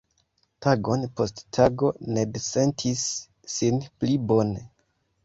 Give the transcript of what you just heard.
Tagon post tago, Ned sentis sin pli bone.